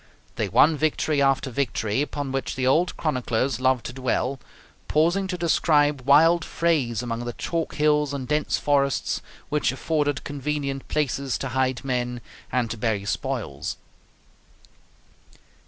They won victory after victory, upon which the old chroniclers love to dwell, pausing to describe wild frays among the chalk hills and dense forests, which afforded convenient places to hide men and to bury spoils.